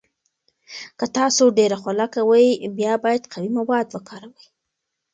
که تاسو ډیر خوله کوئ، بیا باید قوي مواد وکاروئ.